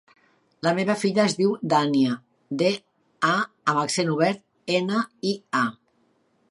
La meva filla es diu Dània: de, a amb accent obert, ena, i, a.